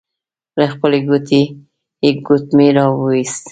له خپلې ګوتې يې ګوتمۍ را وايسته.